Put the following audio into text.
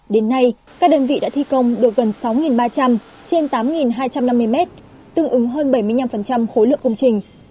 đến nay các đơn vị đã thi công được gần sáu ba trăm linh trên tám hai trăm năm mươi mét tương ứng hơn bảy mươi năm khối lượng công trình